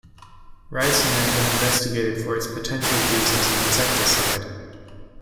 Ricin has been investigated for its potential use as an insecticide.